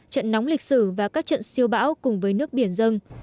trận nóng lịch sử và các trận siêu bão cùng với nước biển dân